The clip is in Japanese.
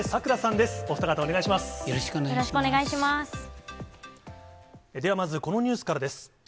ではまずこのニュースからです。